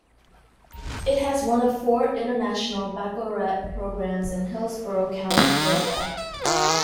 It has one of the four International Baccalaureate programs in Hillsborough County, Florida.